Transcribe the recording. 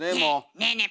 ねえねえ